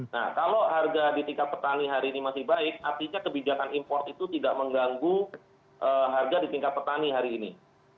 nah kalau harga di tingkat petani hari ini masih baik artinya kebijakan impor itu tidak mengganggu harga di tingkat petani hari ini